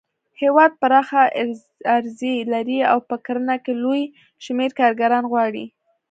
هېواد پراخه اراضي لري او په کرنه کې لوی شمېر کارګران غواړي.